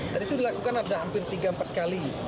dan itu dilakukan ada hampir tiga empat kali